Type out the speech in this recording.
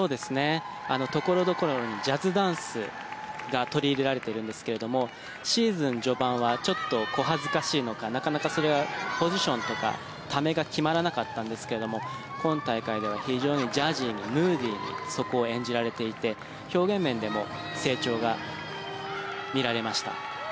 所々にジャズダンスが取り入れられてるんですがシーズン序盤はちょっと小恥ずかしいのかなかなかそれはポジションとかためが決まらなかったんですが今大会では非常にジャジーにムーディーにそこを演じられていて表現面でも成長が見られました。